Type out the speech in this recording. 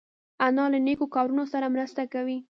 انا له نیکو کارونو سره مرسته کوي